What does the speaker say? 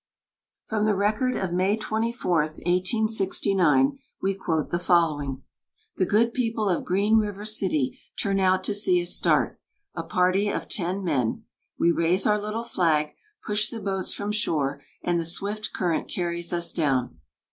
From the record of May 24, 1869, we quote the following: "The good people of Green River City turn out to see us start a party of ten men. We raise our little flag, push the boats from shore, and the swift current carries us down."